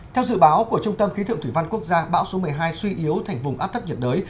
theo dự báo của trung tâm khí tượng thủy văn quốc gia bão số một mươi hai suy yếu thành vùng áp thấp nhiệt đới